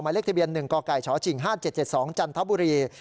เลขทะเบียน๑กกชชิง๕๗๗๒จันทบุรี